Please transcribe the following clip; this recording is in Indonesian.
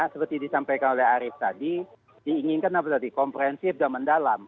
seperti disampaikan oleh arief tadi diinginkan komprehensif dan mendalam